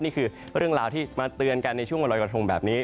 นี่คือเรื่องราวที่มาเตือนกันในช่วงวันรอยกระทงแบบนี้